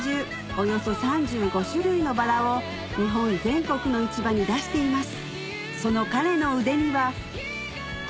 およそ３５種類のバラを日本全国の市場に出しています